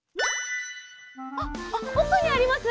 あっおくにあります？